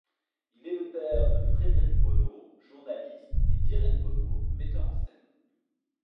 Il est le père de Frédéric Bonnaud, journaliste, et d'Irène Bonnaud, metteur en scène.